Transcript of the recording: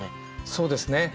そうですね。